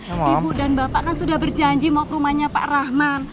ibu dan bapak kan sudah berjanji mau ke rumahnya pak rahman